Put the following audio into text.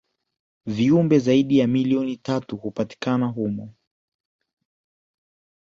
viumbe zaidi ya milioni tatu hupatikana humo